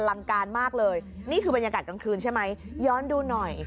ลังการมากเลยนี่คือบรรยากาศกลางคืนใช่ไหมย้อนดูหน่อย